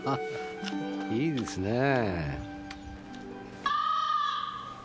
いいですねぇ。